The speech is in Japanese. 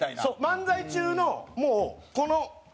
漫才中のもうこの。